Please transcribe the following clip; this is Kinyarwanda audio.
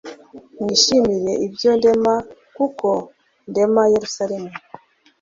Mwishimira ibyo ndema k kuko ndema yerusalemu